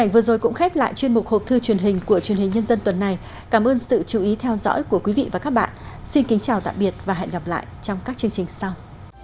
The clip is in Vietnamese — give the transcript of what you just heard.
với các bạn xin kính chào tạm biệt và hẹn gặp lại trong các chương trình sau